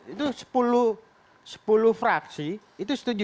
itu sepuluh fraksi itu setuju